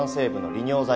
利尿剤？